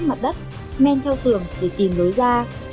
mặt đất men theo tường để tìm lối ra